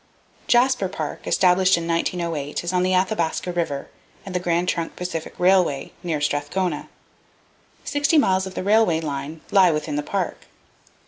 Jasper Park, established in 1908, is on the Athabasca River and the Grand Trunk Pacific Railway, near Strathcona. Sixty miles of the railway line lie within the Park.